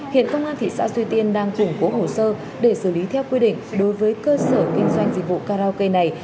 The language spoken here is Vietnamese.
hiện công an thị xã duy tiên đang củng cố hồ sơ để xử lý theo quy định đối với cơ sở kinh doanh dịch vụ karaoke này